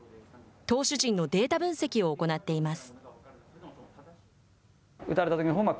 投手陣のデータ分析を行っています。